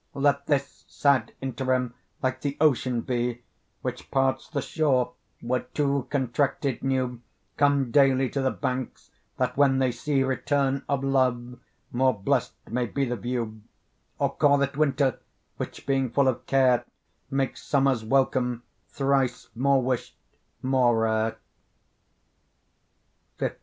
Let this sad interim like the ocean be Which parts the shore, where two contracted new Come daily to the banks, that when they see Return of love, more blest may be the view; Or call it winter, which being full of care, Makes summer's welcome, thrice more wished, more rare.